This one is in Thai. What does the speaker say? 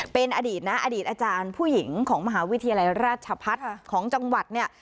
เป็นอดีตนะอดีตอาจารย์ผู้หญิงของมหาวิทยาลัยราชพัฒน์ของจังหวัดเนี่ย